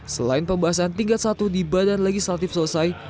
selain pembahasan tingkat satu di badan legislatif selesai